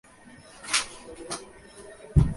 দাদার বিরুদ্ধে আমি কোনো চক্রান্ত করিতে পারিব না।